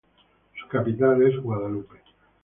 La capital es Guadalupe.